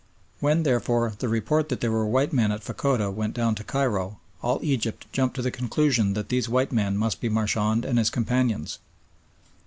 When, therefore, the report that there were white men at Fachoda went down to Cairo, all Egypt jumped to the conclusion that these white men must be Marchand and his companions.